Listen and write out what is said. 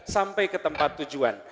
sampai ke tempat tujuan